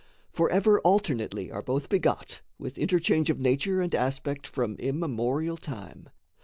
For ever alternately are both begot, With interchange of nature and aspect From immemorial time.